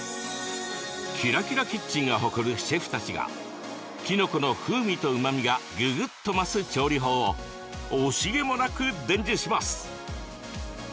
「Ｋｉｒａｋｉｒａキッチン」が誇るシェフたちがきのこの風味とうまみがぐぐっと増す調理法を惜しげもなく伝授します。